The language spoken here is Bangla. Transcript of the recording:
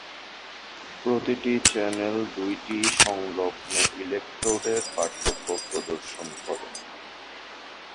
প্রতিটি চ্যানেল দুইটি সংলগ্ন ইলেক্ট্রোড এর পার্থক্য প্রদর্শন করে।